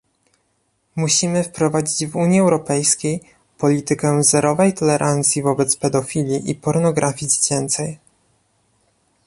Musimy wprowadzić w Unii Europejskiej politykę zerowej tolerancji wobec pedofilii i pornografii dziecięcej